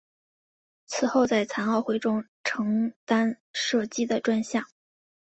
此后在残奥会中承担射击的专项。